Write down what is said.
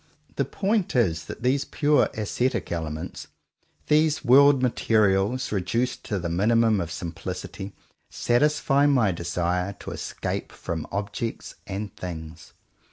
The point is that these pure ascetic elements, these world materials reduced to the minimum of simplicity, satisfy my desire to escape from objects and things.